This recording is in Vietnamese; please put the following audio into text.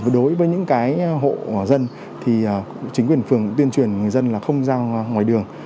đối với những hộ dân chính quyền phường tuyên truyền người dân không ra ngoài đường